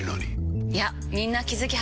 いやみんな気付き始めてます。